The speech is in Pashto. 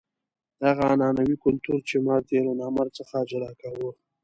هغه عنعنوي کلتور چې مرد یې له نامرد څخه جلا کاوه.